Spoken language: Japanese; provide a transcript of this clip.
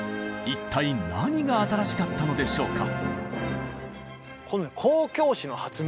一体何が新しかったのでしょうか？